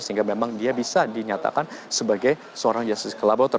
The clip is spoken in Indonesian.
sehingga memang dia bisa dinyatakan sebagai seorang justice collaborator